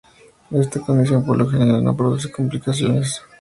Esta condición por lo general no produce complicaciones.